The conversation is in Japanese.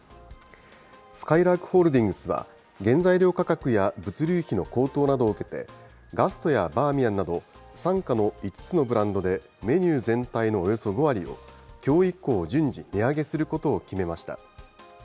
すかいらーくホールディングスは、原材料価格や物流費の高騰などを受けて、ガストやバーミヤンなど、参加の５つのブランドでメニュー全体のおよそ５割を、きょう以降、順次、値上げすることを決めました。